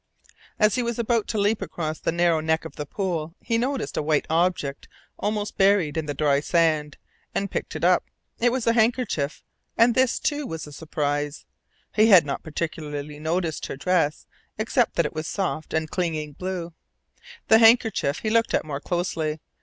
As he was about to leap across the narrow neck of the pool he noticed a white object almost buried in the dry sand, and picked it up. It was a handkerchief; and this, too, was a surprise. He had not particularly noticed her dress, except that it was soft and clinging blue. The handkerchief he looked at more closely.